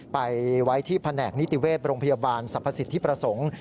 ไปไว้ที่แผนกนิติเวชโรงพยาบาลสรรพสิทธิประสงค์